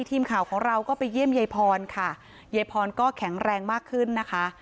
ทีมข่าวของเราก็ไปเยี่ยมยายพรค่ะยายพรก็แข็งแรงมากขึ้นนะคะ